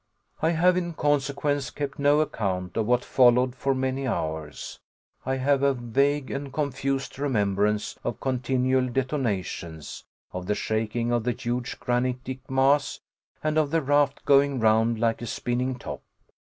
I have, in consequence, kept no account of what followed for many hours. I have a vague and confused remembrance of continual detonations, of the shaking of the huge granitic mass, and of the raft going round like a spinning top.